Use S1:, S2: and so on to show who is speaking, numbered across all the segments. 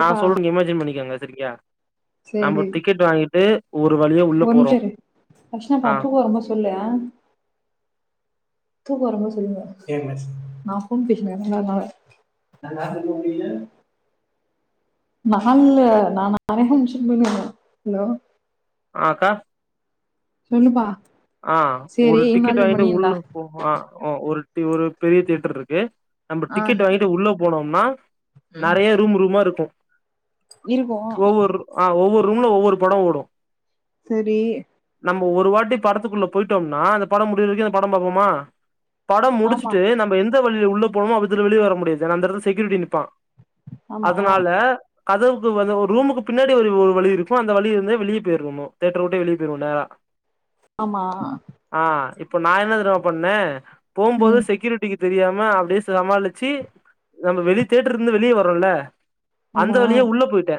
S1: நா சொல்ற இமேஜின் பண்ணிக்கங்க சரியா
S2: சேரி
S1: நம்ம
S2: சேரி
S1: டிக்கெட் வாங்கிட்டு ஒரு வழியா உள்ள
S2: ஒரு நிமிஷ
S1: போறோ
S2: இரு அஷனா
S1: ஆ
S2: பட்று தூக்கோ வர போது சொல்லு தூக்கோ வரும் போது சொல்லுங்க நா ஃபோன் பேசனு என்ன [unintelligible] ஆனால நா லாக்டவுன் முடியு நா இல்ல நா [unintelligible] அலோ
S1: அக்கா
S2: சொல்லுப்பா
S1: ஆ
S2: சேரி
S1: ஒரு டிக்கெட்
S2: இமேஜின்
S1: வாய்ங்கிட்டு உள்ள
S2: பண்ணியிருந்தா
S1: ஒ அ ஒ ஒரு பெரிய தியேட்டர் இருக்கு நம்ம
S2: ஆ
S1: டிக்கெட் வாங்கிட்டு உள்ள போனம்னா
S2: ம்
S1: நெறைய ரூம் ரூமா இருக்கு
S2: இருக்கு
S1: ஒவ்வொரு ஆ ஒவ்வொரு ரூம்ல ஒவ்வொரு படோ ஓடு
S2: செரி
S1: நம்ப ஒரு வாட்டி படத்துக்குள்ள போய்ட்டோம்னா அந்த படோ முடியற வரைக்கு அந்த படோ பாப்போமா படோ
S2: ஆமா
S1: முடிச்சுட்டு நம்ப எந்த வழியில உள்ள போனுமோ அதுல வெளிய வர முடியாது ஏனா அந்த எடத்துல செக்யூரிட்டி நிப்பா
S2: ஆமா
S1: அதனால கதவுக்கு வந்து ஒரு ரூமுக்கு பின்னாடி ஒரு வழி இருக்கு அந்த வழிய இருந்தே வெளிய பேய்ருவமோ தேட்டர வுட்டு வெளிய போய்ருவோ நேரா
S2: ஆமா
S1: ஆ இப்ப நா என்ன தெரியுமா பண்ண போகும் போது
S2: ம்
S1: செக்யூரிட் டிக்கு தெரியாம அப்டியே சமாளிச்சி நம்ம வெளி தேட்டருந்து வெளியே வரோல்ல அந்த
S2: ஆமா
S1: வழியா உள்ள போய்ட்ட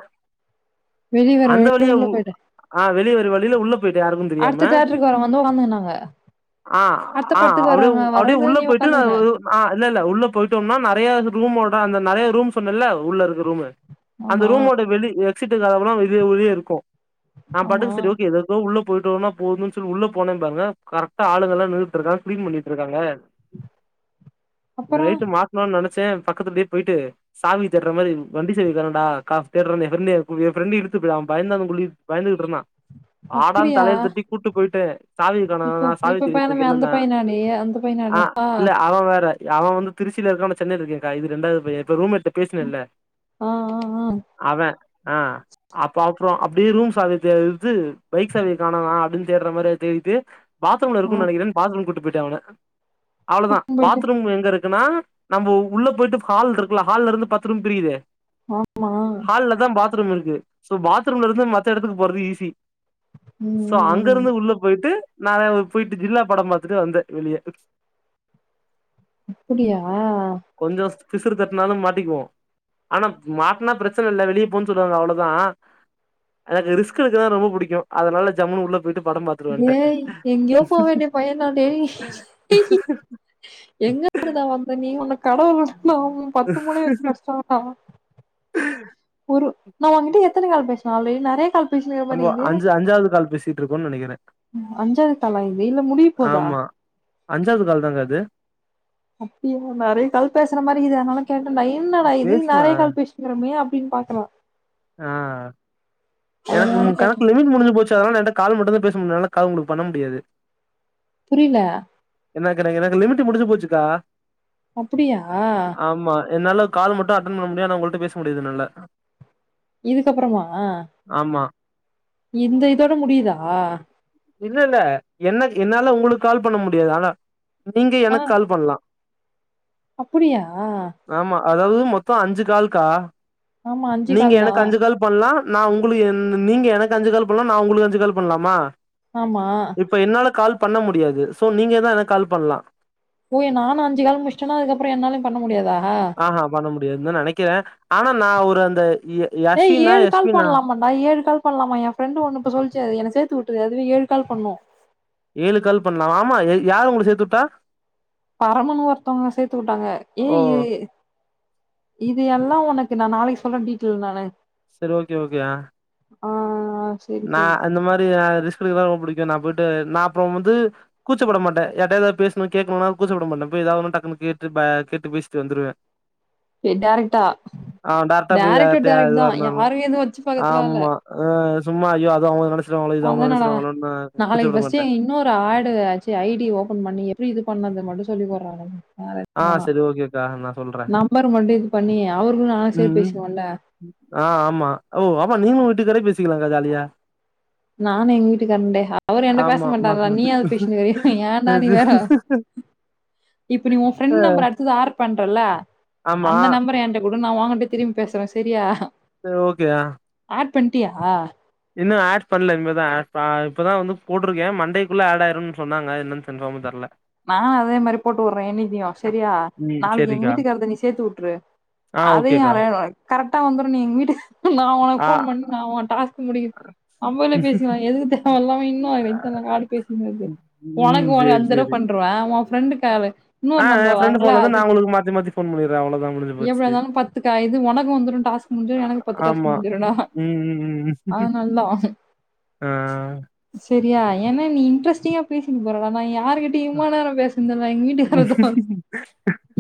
S2: வெளிய வேற
S1: அந்த
S2: வெளிய
S1: வழியா
S2: உள்ள
S1: உ
S2: போயிட்டே
S1: ஆ வெளிய வர வழியில உள்ள போயிட்ட யாருக்கு தெரியாம
S2: தேற்றுகாரவங்க வந்து வான்னு சொன்னாங்க
S1: ஆ ஆ அப்டியே அப்டியே
S2: வரவங்க
S1: உள்ள
S2: நீ
S1: போயிட்டு நா
S2: உக்காந்துக்குன
S1: ஆ இல்ல இல்ல உள்ள போயிட்டோம்னா நெறையா இது ரூம்வோட அந்த நெறைய ரூம் சொன்னேல்ல உள்ள இருக்கு ரூம்மு அந்த
S2: ஆமா
S1: ரூமோட வெளி எக்சிட்டுக்காரல்லா இதே வெளிப் இருக்கு நா
S2: ஆமா
S1: பாட்டுக்கு செரி ஓகே ரூம் உள்ள போயிட்டோனா போது உள்ள போனே பாருங்க கரெக்டா ஆளுங்கள்ள நின்னுட்டு இருக்காங்க கிளீன் பண்ணிட்டு இருக்காங்க
S2: அப்பறோ
S1: ரைட்டு மாட்டுணோன்னு நெனச்சே பக்கத்துல அப்டியே போயிட்டு சாவி தேட்டுற மாரி வண்டி சாவி தேட்ரண்டா ஏ ஃப்ரெண்ட இழுத்து அவ பயந்தா கொல்லி பயந்துகிட்டு இருந்தா வாடான்னு
S2: அப்டியா
S1: தலைய தட்டி கூப்பிட்டு போயிட் டு சாவி காணோ
S2: இப்ப
S1: நா சாவி
S2: இப்ப
S1: தேடிட்டு இருக்கே
S2: பையனமே அந்த
S1: என்னத
S2: பையனாடி அந்த
S1: ஆ
S2: பையனாடா
S1: இல்ல அவ வேற அவ வந்து திருச்சியில இருக்கா நா சென்னையில இருக்கேக்கா இது ரெண்டாவது பைய இப்ப ரூம் மெட்டு பேசினேல்ல
S2: ஆ ஆ ஆ
S1: அவ ஆ அப்ப அப்புறோ அப்டியே ரூம் சாவிய தேது பைக் சாவய காணோ அப்டின்னு தே மாரியே தேடிட்டு பாத்ரூம்ல
S2: ஆ
S1: இருக்கு நெனைக்கிறன்னு பாத்ரூம் கூட்டி போய்ட்ட அவன அவ்ளோ தா
S2: கூட்டின்னு போயிட்டு
S1: பாத்ரூம் எங்க இருக்குன்னா நம்ம உள்ள போயிட்டு ஹால் இருக்குல்ல ஹால்ல இருந்து பத்து ரூம் பிரியுதே
S2: ஆமா
S1: ஹால்லதா பாத்ரூம் இருக்கு சோ பாத்ரூம் இருந்து மத்த எடத்துக்கு போறதுக்கு ஈசி
S2: ம்
S1: சோ
S2: ம்
S1: அங்
S2: ம்
S1: உள்ள போயிட்டு நா போயிட்டு ஜில்லா படம் பாத்துட்டு வந்தே வெளிய
S2: அப்படியா
S1: கொஞ்சோ பிசுறு தட்னாலு மாட்டிக்குவோ ஆனா மாட்டனா பிரச்சன இல்ல வெளியே போன்னு சொல்லுவாங்க அவ்ளோதா எனக்கு ரிஸ்க் எடுக்கறதுனா ரொம்ப புடிக்கு அதனால ஜமுன்னு உள்ள போயிட்டு படம் பாத்த
S2: டேய் எங்கயோ போவேண்டிய பாயன்டா எங்க இருந்து டா வந்த நீ உன்ன கடவுள் பத்து மூளை வெச்சு படச்சுட்டாங்களா ஒரு நா உங்ககிட்ட எத்தன கால் பேசினு ஆல்ரெடி நெறய கால் பேசினுக்கிற மாரி
S1: நம்ம
S2: இது
S1: அஞ்சு அஞ்சாவது கால் பேசிட்டு இருக்கோன்னனு நெனக்கிறே
S2: அஞ்சாவது காலா இது இல்ல முடிய போதா
S1: ஆமா அஞ்சாவது கால தாங்க இது
S2: அப்டியா நெறய கால் பேசுற மாரி இது அதனாலு கேட்டேன்டா என்னடா இது
S1: பேசலா
S2: நெறய கால் பேச ங்கிறமே அப்டின்னு பாக்குறா
S1: ஆ எனக்கு
S2: அதனால கேட்டே
S1: கணக்கு லிமிட் முடிஞ்சு போச்சு அதனால ஏன்ட கால் மட்டு பேச முடியு என்னால கால் உங்களுக்கு பண்ண முடியாது
S2: புரியில
S1: என்ன [unintelligible] எனக்கு லமிட்டு முடிஞ்சு போச்சுக்கா
S2: அப்படியா
S1: ஆமா என்னால கால் மட்டு‌அட்டன் பண்ண முடியு ஆனா உங்கள்ட்ட பேச முடியுது என்னால
S2: இதுக்கப்புறமா
S1: ஆமா
S2: இந்த இதோட முடியுதா
S1: இல்ல இல்ல என்ன என்னால உங்களுக்கு கால் பண்ண முடியாது ஆனா நீங்க
S2: ஆ
S1: எனக்கு கால் பண்ணலா
S2: அப்படியா
S1: ஆமா அதாவது மொத்த அஞ்சு கால்கா
S2: ஆமா
S1: நீங்க
S2: கால்
S1: எனக்கு
S2: தான்.
S1: அஞ்சு கால் பண்ணலாம் நான் உங்களுக்கு எ நீங்க எனக்கு அஞ்சு கால் பண்ணலாம் நா உங்களுக்கு அஞ்சு கால் பண்ணலாமா
S2: ஆமா
S1: இப்ப என்னால கால் பண்ண முடியாது சோ நீங்கதான் எனக்கு கால் பண்ணலாம்
S2: போய் நானு அஞ்சு கால் முடிச்சட்டேனா அதுக்கப்புறம் என்னாலயும் பண்ண முடியாதா
S1: ஆஹா பண்ண முடியாது னுதான் நினைக்கிறேன் ஆனா நான் ஒரு அந்த எ
S2: ஏய் ஏழு கால் பண்ணலாமா நா ஏழு கால் பண்ணலாமா என் ஃபரெண்டு் ஒனு இப்போ சொல்ச்சே என்ன சேத்து விட்டுது அதுவே ஏழு கால் பண்ணு
S1: ஏழு கால் பண்ணலாம் ஆமா யாரு உங்களுக்கு சேத்து விட்டா
S2: பரமுணு ஒருத்தவங்க சேத்து விட்டாங்க ஏ
S1: ஓ
S2: இது இது எல்லாம் உனக்கு நா நாளைக்கு சொல்றேன் டீட்டல் நானு
S1: செரி ஓகே ஓகே அ
S2: ஆ சரி,
S1: நா
S2: சரி.
S1: இந்த மாரி ரிஸ்க எடுக்க எல்லா ரொம்ப பிடிக்கும் நா போயிட்டு நான் அப்ரோம் வந்து கூச்சப்பட மாட்டேன் யார்ட்டயா ஏதா பேசணும் கேட்கணும்ன கூச்சப்பட மாட்டேன் இப்ப ஏதாவதும் டக்குனு கேட்டு கேட்டு பேசிட்டு வந்துடுவேன்
S2: டேரட்டா
S1: டேரக்டா போய்
S2: டேரக்ட் டு
S1: யார்ட்டயா
S2: டேரக்ட் தான் யாரயும் எதுவும் வச்சு பாக்கத்துலாம் இல்ல
S1: ஆஹ் சும்மா ஐய அது அவங்க நினைச்சிருவாங்களோ இது அவங்க நினைச்சுருவாங்களோனு நா கூச்சப்பட மாட்டேன்
S2: சும்மா ஒரு ஆடு ஆச்சு ஐ டி ஓபன் பண்ணி எப்படி இது பண்ணது மட்டும் சொல்லி போடுறாங்க வே
S1: ஆ
S2: வேணாம்
S1: சரி ஓகேக்கா நா சொல்றே
S2: நம்பர் மட்டும் இது பண்ணி அவர்களும் நானா சேத்து பேசுவோம்ல
S1: ஆஹ் ஆமா ஓ ஆமா நீங்க வீட்டுக்காரே பேசிக்கலாங்க ஜாலியா
S2: நானும் எங்க வீட்டுக்காரன்டே அவர் ஏண்ட பேச
S1: ஆமா மாத்தி
S2: மாட்டாரா
S1: மாத்தி
S2: நீயாது பேசனுகரிய ஏடா நீ வேற இப்ப நீ உன் ஃபிரெண்ட் நம்பர் அடுத்தது ஆட் பண்றல
S1: ஆமா
S2: அந்த நம்பர் என்ட உடு நான் உங்கிட்ட திரும்பி பேசுறேன் சரியா
S1: சரி ஓகே யா
S2: ஆட் பண்டியா
S1: இன்னும் ஆட் பண்ணல இனிமேதான் இதான்ட் இப்பதான் வந்து போட்டுருக்கே மண்டேக்குள்ள ஆட் ஆயிரும்னு சொன்னாங்க இன்னும் கண்பாமா தெரில
S2: நான் அதே மாதிரி போட்டு விடுறேன் என்னித்தும் சரியா
S1: ம்
S2: நாளைக்கு எங்க
S1: சேரிக்கா
S2: வீட்டுக்காரத நீ சேத்து விட்டுரு
S1: ஆ
S2: அதையும்
S1: ஓகேக்கா
S2: நா கரெக்டா வந்துரும் நீ எங்க வீட்டுக்கு நான் உனக்கு
S1: ஆ
S2: போன் பண்ணி நா உன் டாஸ்க் முடியும் அம்பல பேசிக்கலாம் எதுக்கு தேவவையில்லாம இன்னும் அது வா காடு பேசங்கது உனக்கு
S1: ம்
S2: உனக்கு
S1: சேரி
S2: அஞ் தடவை
S1: சேரி
S2: பண்வேன் ரெண்டு காலு
S1: ஆ
S2: இன்னொரு
S1: எ
S2: நம்பர்
S1: ஃப்ரெண்டு
S2: வாங்கல
S1: ஃபோன்லருந்து
S2: அது
S1: நா உங்களுக்கு மாத்தி மாத்தி ஃபோன் பண்ணிர்றே அவ்ளோதா முடிஞ்சு
S2: எப்படி
S1: போச்சு
S2: இருந்தாலும் பத்து இது உனக்கு வந்துரு டாஸ்க் முடிஞ்சிரும் எனக்கும் பத்து டாஸ்க்
S1: ஆமா
S2: முடிஞ்சரும் டா
S1: ம்
S2: அதுனால்தான்
S1: ஆஹ
S2: சரியா ஏன்னா நீ இன்டரஸ்டிங்கா பேசிட்டு போறவ நா யார் கிட் ட இம்மா நேரம் பேசுந்தல எங்க வீட்டுக்காரதவர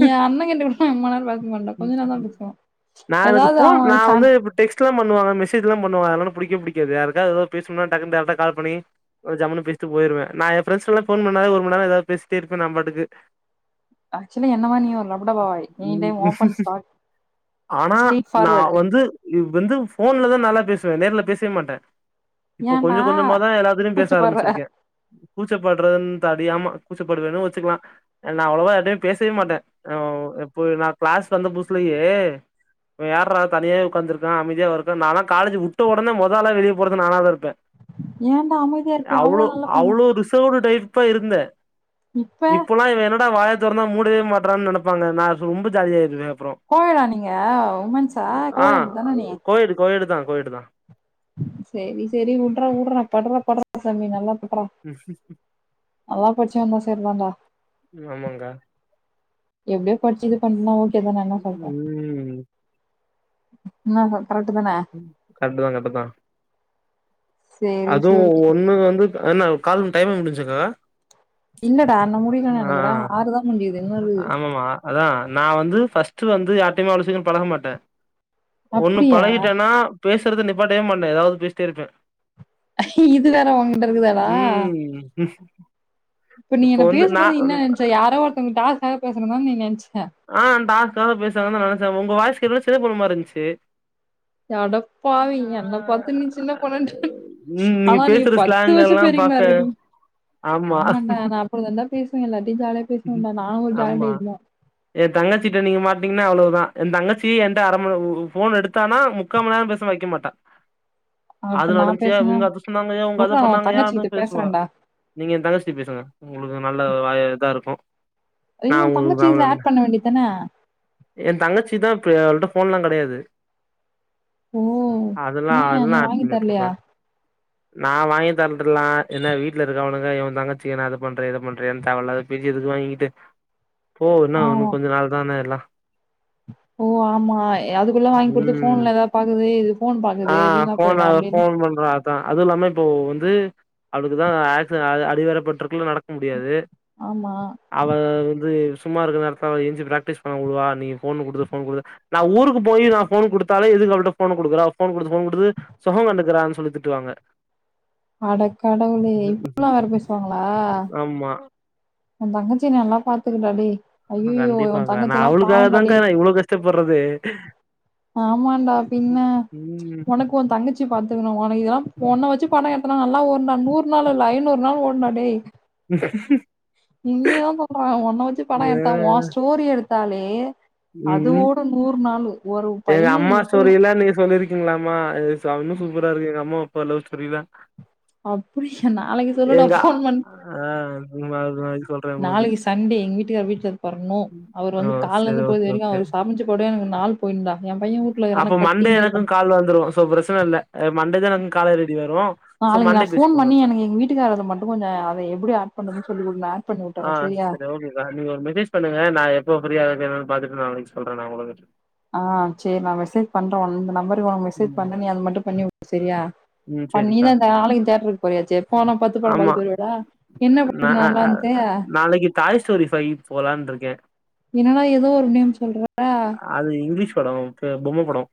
S2: என் அண்ணன்கிட்ட கூட இம்மா நேரம் பேச மாட்டா கொஞ்ச நேரம் தான் பேசுவான் ஏதாவது அவன் சா
S1: டெக்ஸ்டு ல பண்ணுவங்க மெசஜ்லாம் பண்ணுவாங்க அதுனால எனக்கு புடிக்கவே புடிக்காது யாருக்காவது ஏதாவது பேசநாம்னா டைரெக்ட்டா கால் பண்ணி அ ஜம்மனு பேசிட்டு போய்ருவேன் நா என் ஃபரெஸ்லாம் ஃபோன் பண்ணலே ஒருநேரம் ஏவது பேசிட்ட இருப்பேன் நா பாட்டுக்கு
S2: ஆக்சுவலா என்னமா நீ ஒரு லபடா பா வாய் நீ
S1: ம் ஆனா நான்
S2: ஃபார்வர்டு
S1: வந் வந்து வந்து போன்லதான் நல்லா பேசுவன் நேர்ல பேசவே மாட்டேன் இப்போ
S2: ஏன்டா
S1: கொஞ்சம் கொஞ்சம தான் எல்லாத்டையும் பேச
S2: கூச்சப்பட்ற
S1: ஆரம்பிச்சிருக்கே கூச்சபரதுனு அறியாம கூச்சப்படுவேணு வச்சுக்கலாம் நான் அவ்ளவ யார்கிடைவும் பேசவே மாட்டேன் இப்பய நான் கிளாஸ் வந்த புதுசலையே இப்ப யார்ரா தனியே உக்காந்துருக்க அமைதியா இருக்க நாலி காலேஜ் உட்ட ஒடனே மொத ஆளா வெளிய போறது நானதா இருப்ப
S2: ஏன்டா அமைதியா இருப்பியே
S1: அவ்ளோ
S2: நல்ல பைய
S1: அவ்ளோ ரிசவ்டு டைப் ப இருந்த
S2: இப்ப
S1: இப்பல்லா இவ என்னடா வாய திறந்தா மூடவே மாட்றான்னு நெனப்பாங்க நா ரொம்ப ஜாலியா இருந்த அப்புறோ
S2: கோயடா நீங்க உமன்ஸா
S1: ஆ
S2: கோயட் தான நீ
S1: கோயெடு கோயெடு தா கோயெடு தா
S2: சேரி சேரி உடுறா உடுறா படுறா படுறா சாமி நல்லா படுறா
S1: உம்
S2: நல்லா படிச்சு வந்தா சரிதான்டா
S1: ஆமாங்கா
S2: எப்டியோ படிச்சு இது பண்ணா ஓகே தான என்னா சொல்ற
S1: ம்
S2: என்னா சொ கரெக்ட்டு தான
S1: கரட்டுதா கரட்டுதா
S2: சேரி
S1: அதுவு
S2: சேரி
S1: ஒண்ணு வந்து என்னா கால் டைமு முடிஜிதா
S2: இல்லடா இன்னு முடியல நானைக்கிற ஆறு தா முடிஞ்சிருக்குது இன்னு இருக்குது
S1: ஆமாமா அதா நா வந்து ஃபஸ்ட்டு வந்து யார்டியுமே அவ்ளோ சிக்கரோ பழக மாட்ட ஒண்ணு
S2: அப்டியா
S1: பழகிட்டன்னா பேசுறத நிப்பாட்டவே மாட்ட ஏதாவது பேசிட்டே இருப்ப
S2: இது வேற ஒங்கிட்ட இருக்குதாடா
S1: உம்
S2: இப்ப நீ என்ன பேசும் போது என்ன நனைச்ச யாரோ ஒருத்தங்க டாஸ்க்காக பேசுறாங்கனு தான நீ நெனச்ச
S1: ஆ டாஸ்க்காக பேசறாங்கனுதா நனைச்ச உங்க வாய்ஸ் கேட்டோனே சின்ன பொண்ணுமார் இருந்துச்சு
S2: [inaudible] அடப்பாவி
S1: ஆ
S2: என்ன பாத்து நீ சின்ன பொண்ணா கேட்ட
S1: ம் நீங்க
S2: ஆனா நீ
S1: பேசுற
S2: பத்து
S1: ஸ்லாங்
S2: வருஷோ
S1: எல்லா
S2: பெ
S1: பாக்க ஆமா
S2: ஆமாண்டா நா அப்படிதாடா பேசுவே எல்லார்டியு ஜாலிய பேசுவன்டா நானு ஒரு ஜாலி
S1: ஆமா
S2: டைப்தா
S1: எ தங்கச்சிட்ட நீங்க மாட்டீங்கன்னா அவ்ளோதா எ தங்கச்சிய என்ட்டஅரைமணி ஃபோன் எடுத்தானா முக்கால்மண் நேரோ பேசாம வைக்க மாட்டா
S2: [inaudible]
S1: அது
S2: நான்
S1: நடந்துச்சி
S2: பேசுங்க,
S1: அங்க அது சொன்னாங்கயா அவுங்க அத
S2: "உட்றா நான் உன்
S1: பண்ணாங்கயா
S2: தங்கச்சிகிட்ட
S1: அப்டின் பேசுவா
S2: பேசுறேன்டா."
S1: நீங்க எ தங்கச்சிட்ட பேசுங்க உங்களுக்கு நல்ல வாய இதா இருக்கு
S2: அப்ற
S1: நா
S2: ஏ தங்கச்சிய இதுல ஆட்
S1: உங்களுக்கு
S2: பண்ண வேண்டியதான
S1: எ தங்கச்சி தா பே அவகிட்ட ஃபோன்ல்லா கிடையாது
S2: ஓ
S1: அதெல்லா
S2: ஏ நீ
S1: அதெல்லா ஆட்
S2: வாங்கி
S1: பண்ணி
S2: தரலையா
S1: விட்ருப்பே நா வாங்கி தரட்டுலா என்ன வீட்ல இருக்கவனுங்க என்ன தங்கச்சி அது பண்றயி இது பண்றயா என தேவையில்லாது பேச்சி வாங்கிட்டு
S2: [inaudible]
S1: போ இன்னு
S2: "ஆ.
S1: ஒன்னு கொஞ்ச நாள் தான எல்லா
S2: ஓ ஆமா அதுக்குள்ள வாங்கி கொடுத்து
S1: ம்
S2: ஃபோன்ல ஏதா பாக்குது இது ஃபோன் பாக்குது வீணா போயிடு அப்டின்டு
S1: அ அதுவும் இல்லாம இப்போ வந்து அவளுக்குதா ஆக்ஸ் அ அடிவேற பட்டுருக்குல்ல நடக் முடியாது
S2: "ஆமா."
S1: அவ வந்து சும்மா இருக்கிற நேரத்த அவன என்ச்சி பிராக்டிஸ் பண்ண ஒடுவா ஃபோனு குடுத்து ஃபோனு குடுத்து நா ஊருக்கு போய் நா ஃபோன் குடுத் குடுத்தாலே எதுக்கு அவள்ட்ட ஃபோன குடுக்குற அவ ஃபோன் குடுத்து ஃபோன் குடுத்து சுகோ கண்டுக்கறான்னு சொல்லி திட்டுவாங்க
S2: அட கடவுளே இப்பில்லா வேற பேசுவாங்களா
S1: ஆமா
S2: ஒ தங்கச்சிய நல்லா பாத்துக்கடா டேய் ஐயையோ! உன்
S1: கண்டிப்பாக்கா நா
S2: தங்கச்சிலாம் பாவம்டா
S1: அவுளுக்காகதாக்கா
S2: டேய்.
S1: நா இவ்ளோ கஷ்டப்படுறதே
S2: ஆமாடா பின்ன
S1: ம்
S2: ஒனக்கு ஒ தங்கச்சி பாத்துக்கணு ஒனக்கு இது எல்லா பொண்ண வச்சு பணம் எடுத் துனா நல்லா ஓடுன்டா நூர் நாள் இல்ல ஐநூர் நாள் ஓடுன்டா டேய்
S1: உம்
S2: உண்மையாதா சொல்ற ஒன்ன வெச்சு படோ
S1: ஆ
S2: எடுத்தா ஓ ஸ்டோரி எடுத்தாலே அது
S1: ம்
S2: ஓ போ நூறு நாளு ஒரு
S1: எங்க
S2: பையன்
S1: அம்மா ஸ்டோரி
S2: எப்படிலாம்
S1: எல்லா நீங்க சொல்லிருக்கீங்ளாமா அ ச இன்னு சூப்பரா இருக்கு எங்க அம்மா அப்பா லவ் ஸ்டோரிலா
S2: அப்ரீஸன் நாளைக்கு சொல்லுடா ஃபோன் பண்ணி
S1: ஆ சொல்றே உங்களுக்கு
S2: நாளைக்கி சண்டே எங்க வீட்டுக்கார் வீட்ல இருப்பாரு நோ அவர்
S1: ஆ
S2: வந்து
S1: சரி
S2: கால்லர்ந்து போற
S1: ஓகே
S2: வரைக்கு
S1: ஓகே
S2: அவருக் சம்ச்சு போடவே எனக்கு நாள் போயிர்ன்டா எம்பைய
S1: அப்ப மண்டே எனக்கு கால் வந்துரு சோ பிரச்சன இல்ல அ மண்டே தா எனக்கு காலர் ஐடி வரு
S2: நாளைக்கு நா ஃபோன் பண்ணி எனக் எங் வீட்டுக்காரதுல மட்டு கொஞ்சோ அதுல எப்பிடி ஆட் பண்றதுன் சொல்லி குடு நா ஆட் பண்ணி உட்டர்றே செரியா
S1: அ நீங்க ஒரு மெசேஜ் பண்ணுங்க நா எப்போ ஃப்ரீயா இருக்கே என்னன் பாத்துட்டு நாளைக் சொல்றே நா உங்களுக்கு
S2: ஆ சேரி நா மெசேஜ் பண்றே உ இந்த நம்பரு உனக் மெசேஜ்
S1: ம்
S2: பண்றே நீ அது மட்டு பண்ணி உடு செரியா
S1: ம்
S2: ப
S1: சரிக்கா
S2: நீதான்டா நாளைக்கு தேட்ருக் போறயாச்சே போனா பத்து படம்
S1: ஆமா
S2: பாத்துட் வருவியாடா என்ன
S1: நா
S2: படோன்டா
S1: அ
S2: நல்லார்ந்து
S1: அ நாளைக்கு டாய் ஸ்டோரி ஃபை போலான்ருக்கே
S2: என்னடா எதோ ஒரு நேம் சொல்ற
S1: அது இங்லீஷ் படோ வந்ட்டு பொம்ம படோ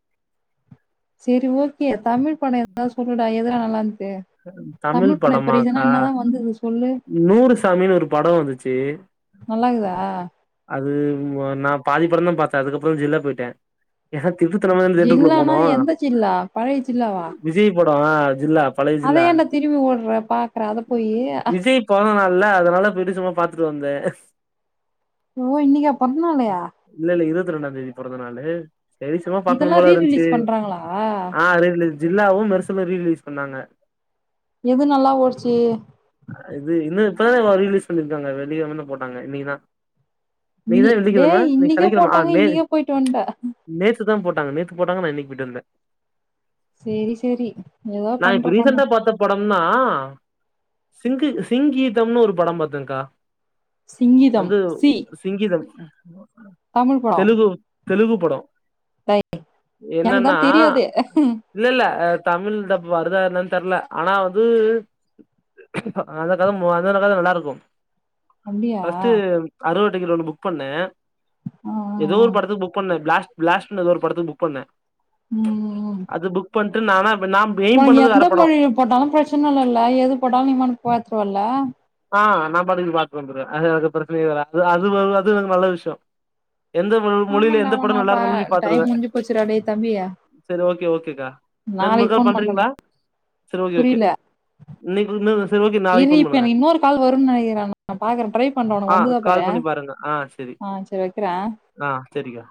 S2: செரி ஓகே தமிழ் படோ எதாத் சொல்லுடா எதுடா நல்லார்ந்த்து
S1: அ தமிழ் படமாக்கா
S2: சொல்லு
S1: நூறு சாமின் ஒரு படோ வந்துச்சி
S2: நல்லாக்குதா
S1: அது ஒ நா பாதி படந்தா பாத்தே அதுக்கப்றோ ஜில்லா போய்ட்டே ஏனா திருட்டுத்தனமாதா அந்த தேட்ருக்குள்ள
S2: ஜில்லானா
S1: போனோ
S2: எந்த ஜில்லா பழைய ஜில்லாவா
S1: விஜய் படோ அ ஜில்லா பழைய
S2: அத
S1: ஜில்லா
S2: ஏன்டா திரும்பி ஓட்ற பாக்கற அத போயி
S1: விஜய் பொறந்த நாள்ல்ல அதனால போய்ட்டு சும்மா பாத்துட்டு வந்தே
S2: ஓ இன்னிக்கா பொறந்த நாளு
S1: இல்லல்ல இருவத்ரெண்டா தேதி பொறந்த நாளு செரி சும்மா பாக்கணு
S2: இதெல்லா
S1: போல
S2: ரீ
S1: இருந்ச்சி
S2: ரிலீஸ் பண்றாங்களா
S1: ஆ ரீரிலீஸ் ஜில்லாவு மெர்சலு ரீரிலீஸ் பண்ணாங்க
S2: எது நல்லா ஓடுச்சு
S1: இது இன்னைக் தானக்கா ரீரிலீஸ் பண்ணீர்க்காங்க வெள்ளிக்கெழமர்ந்து போட்டாங்க இன்னைக்கி தா
S2: இன்னி
S1: இன்னைக்கிதான வெள்ளிக்கெழம
S2: டேய்
S1: இன்னைக்
S2: இன்னிக்கே
S1: சனிக்கெழம ஆ
S2: போட்டாங்க
S1: மே
S2: இன்னிக்கே போயிட்டு வன்ட்ட
S1: நேத்து தா போட்டாங்க நேத்து போட்டாங்க நா இன்னைக் போய்ட்டு வந்தே
S2: சேரி சேரி எதா
S1: நா இப்ப ரீசன்ட்டா பாத்த படம்னா சிங்கு சிங்கீதம்னு ஒரு படோ பாத்தேங்க்கா
S2: சிங்கீதம்
S1: வந்து
S2: சி
S1: சிங்கீதம்
S2: தமிழ்
S1: தெலுகு தெலுகு படோ
S2: ரைட்டு எனக்குதா தெரியாது
S1: இல்லல்ல அது தமிழ் டப் வருதா என்னன் தெர்ல ஆனா வந்து அந்த கத மொத சொன்ன கத விட நல்லாருக்கு
S2: அப்டியா ஆ
S1: ஃபஸ்ட்டு அறுவர்ருவா டிக்கெட் ஒன்னு புக் பண்ணே
S2: ஆ
S1: எதோ
S2: ஆ
S1: ஒரு
S2: ம்
S1: படத்துக் புக் பண்ண பிளாஸ்ட் பிளாஸ்ட்னு எதோ ஒரு படத்துக் புக் பண்ணே அது புக் பண்ட்டு நானா ப் நா எய்ம்
S2: ஒனக்
S1: பண்ணது
S2: எந்த
S1: வேற படோ
S2: மொழில போட்டாலு பிரச்சன இல்லல்ல எது போட்டாலு நீ பாட்க் பாத்துருவல்ல
S1: ஆ நா பாட்டுக் பாத்துட் வந்துருவே அது அது பிரச்சனயே இல்ல அது அது வோ வோ அது எனக்கு நல்ல விஷ்யோ எந்த மொழியில
S2: ஆமாண்டா
S1: எந்த படம் நல்லா
S2: ஆமாப்பா
S1: இருந்தாலு பாத்துருவ
S2: டைம் முடிஞ்சு போச்சுடா டேய் தம்பி
S1: சரி ஓகே ஓகேக்கா ந
S2: நாளைக்கு
S1: முக்கா
S2: ஃபோன் பண்றேன்டா
S1: பண்றீங்களா சரி ஓகே ஓகே
S2: புரியல
S1: இன்னக்கி ஒன்
S2: இரு இப்ப எனக்கு இன்னொரு கால் வரும்னு நினைக்கிறன் நா பார்கறே ட்ரை பண்றே உனக்கு
S1: ஆ
S2: வந்துதா பாறே
S1: கால் பண்ணி பாருங்க ஆ
S2: ஆ சரி வைக்கிற
S1: ஆ சரிக்கா